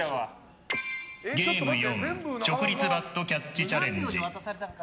ゲーム４直立バットキャッチチャレンジ。